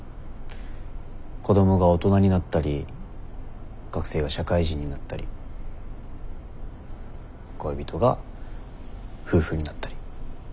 子どもが大人になったり学生が社会人になったり恋人が夫婦になったり。